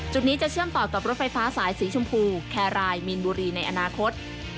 จุดนี้จะเชื่อมต่อกับรถไฟฟ้าสายสีชมพูแครายมีนบุรีในอนาคต